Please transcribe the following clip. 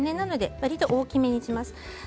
わりと大きめにします。